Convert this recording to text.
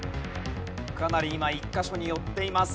かなり今１カ所に寄っています。